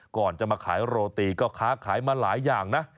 ก่อนจะมาขายโรตีก็ค้าขายมาหลายอย่างนะ